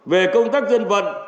về công tác dân vận